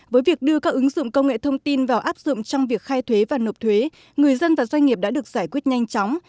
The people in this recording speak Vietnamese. với việc đưa các ứng dụng công nghệ thông tin vào áp dụng trong việc khai thuế và nộp thuế người dân và doanh nghiệp đã được giải quyết nhanh chóng